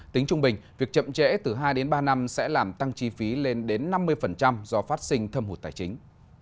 tính trung bình việc chậm trễ từ hai đến ba năm sẽ làm tăng chi phí lên đến năm mươi do phát sinh thâm hụt tài chính